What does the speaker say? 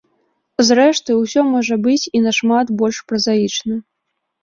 Зрэшты, усё можа быць і нашмат больш празаічна.